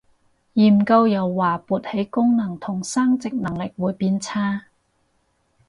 研究又話勃起功能同生殖能力會變差